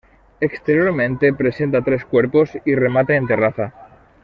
Exteriormente presenta tres cuerpos y remate en terraza.